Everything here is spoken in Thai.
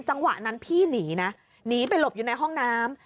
จังหวะนั้นพี่หนีนะหนีไปหลบอยู่ในห้องน้ำ